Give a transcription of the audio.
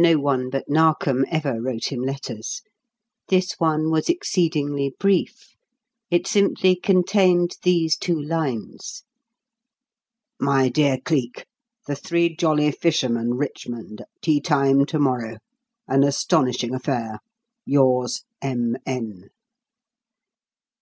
No one but Narkom ever wrote him letters. This one was exceedingly brief. It simply contained these two lines: "My dear Cleek. The Three Jolly Fishermen, Richmond, at tea time to morrow. An astonishing affair. Yours, M. N."